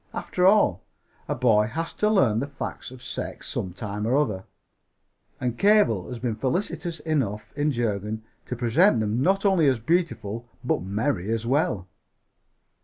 After all, a boy has to learn the facts of sex some time or other, and Cabell has been felicitious enough in Jurgen to present them not only as beautiful, but merry as well.